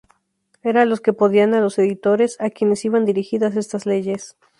Era a los que podían, a los editores, a quienes iban dirigidas estas leyes